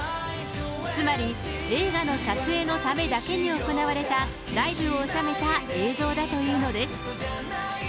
つまり、映画の撮影のためだけに行われたライブを収めた映像だというのです。